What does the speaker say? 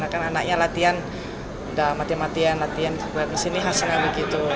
karena anaknya latihan sudah mati matian latihan ke sini hasilnya begitu